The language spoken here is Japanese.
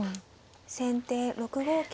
先手６五桂馬。